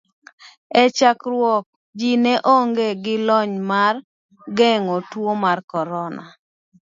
E chakruok ji ne onge gi lony mar geng'o tuo mar korona.